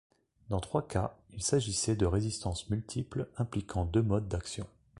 Dans trois cas, il s'agissait de résistance multiple impliquant deux modes d'actions.